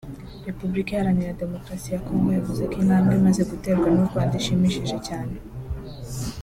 Repubulika Iharanaira Demokarasi ya Congo yavuze ko intambwe imaze guterwa n’u Rwanda ishimishije cyane